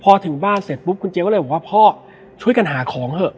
พอถึงบ้านเสร็จปุ๊บคุณเจ๊ก็เลยบอกว่าพ่อช่วยกันหาของเถอะ